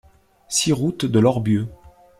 six route de l'Orbieu